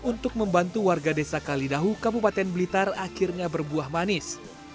untuk membantu warga desa kalidahu kabupaten blitar akhirnya berbuah manis